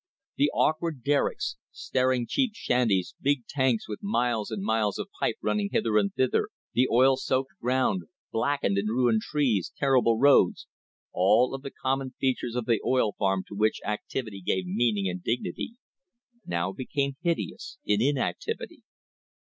The awkward derricks, staring cheap shanties, big tanks with miles and miles of pipe running hither and thither, the oil soaked ground, blackened and ruined trees, terrible roads — all of the common features of the oil farm to which activity gave meaning and dignity — now became hideous in inactivity.